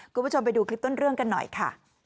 คุณผู้ชมไปดูคลิปต้นเรื่องกันหน่อยค่ะ